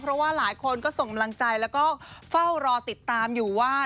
เพราะว่าหลายคนก็ส่งกำลังใจแล้วก็เฝ้ารอติดตามอยู่ว่า